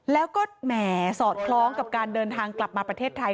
แล้วก็แหมสอดคล้องกับการเดินทางกลับมาประเทศไทย